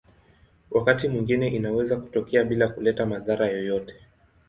Wakati mwingine inaweza kutokea bila kuleta madhara yoyote.